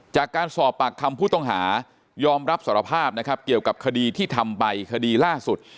จากการสอบปากคำผู้ต้องหายอมรับสารภาพนะครับเกี่ยวกับคดีที่ทำไปคดีล่าสุด